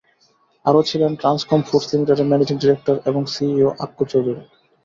আরও ছিলেন Transcom Foods লিমিটেডের ম্যানেজিং ডিরেক্টর এবং সিইও আক্কু চৌধুরী।